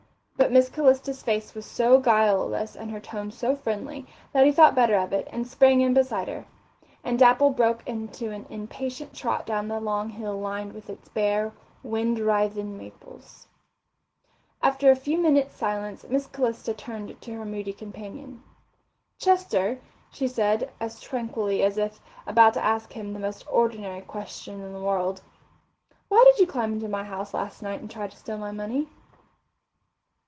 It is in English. But Miss Calista's face was so guileless and her tone so friendly, that he thought better of it and sprang in beside her, and Dapple broke into an impatient trot down the long hill lined with its bare, wind writhen maples. After a few minutes' silence Miss Calista turned to her moody companion. "Chester," she said, as tranquilly as if about to ask him the most ordinary question in the world, "why did you climb into my house last night and try to steal my money?"